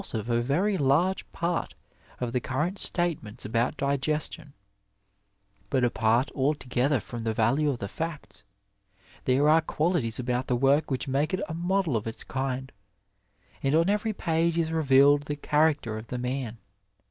119 Digitized by Google THE ARMY SURGEON of a very large part of the current statements aboat digestion ; but apart altogether from the value of the facts, there are qualities about the work which make it a model of its kind, and on every page b revealed the character of the man.